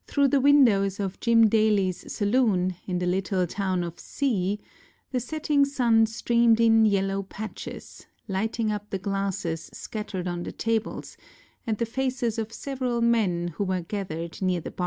Through the windows of Jim DalyŌĆÖs saloon, in the little town of C , the setting sun streamed in yellow patches, lighting up the glasses scattered on the tables and the faces of several men who were gathered near the bar.